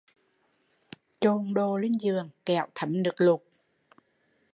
Chồn đồ lên giường kẻo thấm nước lụt